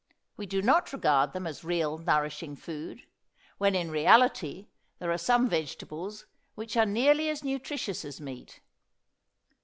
We do not regard them as real nourishing food, when in reality there are some vegetables which are nearly as nutritious as meat.